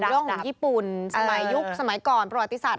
เรื่องของญี่ปุ่นสมัยยุคสมัยก่อนประวัติศาสต